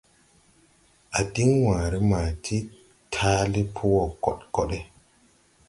A diŋ wããre ma ti taale po wɔ kod kode.